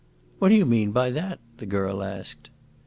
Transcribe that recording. "What do you mean by that?" the girl asked.